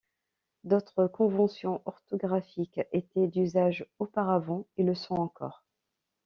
D’autres conventions orthographique étaient d’usage auparavant et le sont encore.